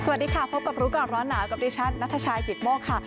สวัสดีค่ะพบกับรู้ก่อนร้อนหนาวกับดิฉันนัทชายกิตโมกค่ะ